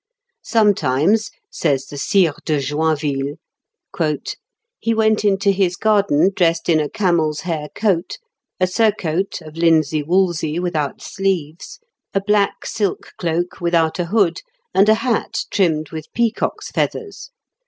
"Sometimes," says the Sire de Joinville, "he went into his garden dressed in a camel's hair coat, a surcoat of linsey woolsey without sleeves, a black silk cloak without a hood, and a hat trimmed with peacocks' feathers.